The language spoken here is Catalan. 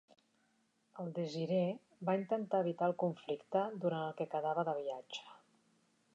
El "Desire" va intentar evitar el conflicte durant el que quedava de viatge.